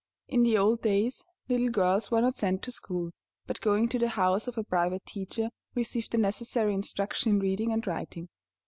In the old days, little girls were not sent to school, but, going to the house of a private teacher, received the necessary instruction in reading, and writing.